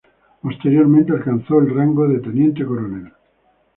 Posteriormente alcanzó el rango de teniente coronel.